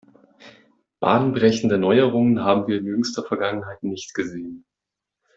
Bahnbrechende Neuerungen haben wir in jüngster Vergangenheit nicht gesehen.